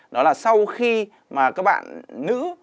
đó là sau khi mà các bạn nữ